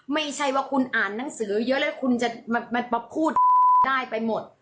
ไม่ใช่ว่าคุณอ่านหนังสือเยอะแล้วคุณจะมาพูดได้ไปหมด